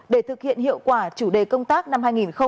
để thực hiện hiệu quả chủ đề công tác năm hai nghìn hai mươi